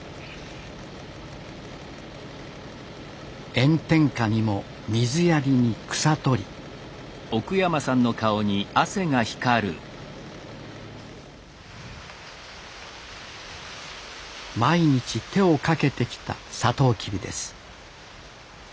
炎天下にも水やりに草取り毎日手をかけてきたサトウキビです